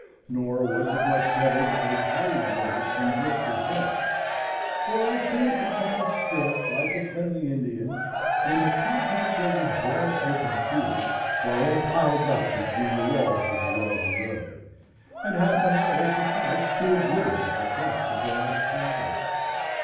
Nor was it much better by the carriage road from Brister's Hill. For I came to town still, like a friendly Indian, when the contents of the broad open fields were all piled up between the walls of the Walden road, and half an hour sufficed to obliterate the tracks of the last traveller.